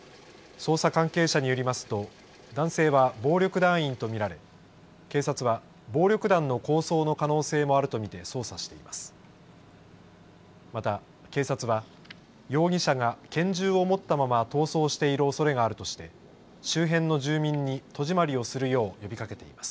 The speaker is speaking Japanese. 捜査関係者によりますと男性は暴力団員と見られ警察は暴力団の抗争の可能性もあると見て捜査しています。